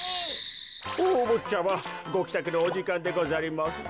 おおぼっちゃまごきたくのおじかんでござりますぞ。